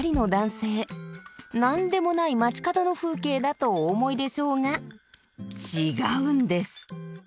何でもない街角の風景だとお思いでしょうが違うんです。